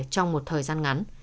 trong một thời gian ngắn